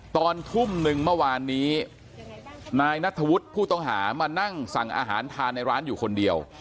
ตอนทุ่มหนึ่งเมื่อวานนี้นายนัทธวุฒิผู้ต้องหามานั่งสั่งอาหารทานในร้านอยู่คนเดียว